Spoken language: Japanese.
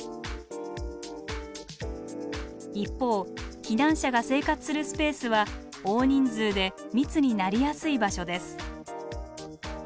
一方避難者が生活するスペースは大人数で密になりやすい場所です。